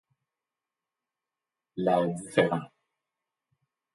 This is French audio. La différent.